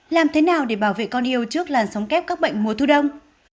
làm thế nào để bảo vệ con yêu trước làn sóng kép các bệnh mùa thu đông